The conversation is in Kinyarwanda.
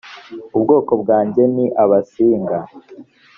ubwoko bwanjye ni abasinga